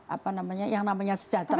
apa namanya yang namanya senjata